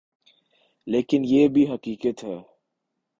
لیکن یہ بھی حقیقت ہے۔